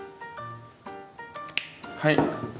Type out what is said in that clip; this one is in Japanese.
はい。